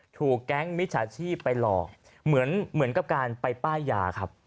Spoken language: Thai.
ถูกแก๊งมิจฉาชีพไปหลอกเหมือนกับการไปป้ายยาครับ